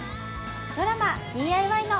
ドラマ「ＤＩＹ‼」の。